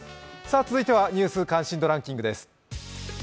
続いては、「ニュース関心度ランキング」です。